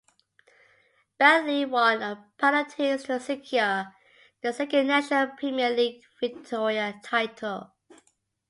Bentleigh won on penalties to secure their second National Premier Leagues Victoria title.